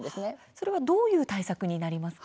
それはどういう対策になりますか。